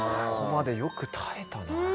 ここまでよく耐えたな。